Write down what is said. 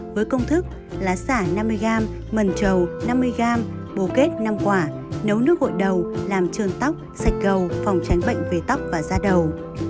với công thức lá sả năm mươi g mần trầu năm mươi g bồ kết năm quả nấu nước gội đầu làm trơn tóc sạch gầu phòng tránh bệnh về tóc và da đầu